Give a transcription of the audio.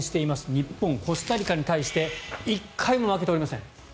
日本、コスタリカに対して１回も負けておりません。